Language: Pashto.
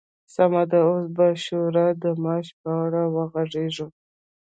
سمه ده، اوس به راشو د معاش په اړه به وغږيږو!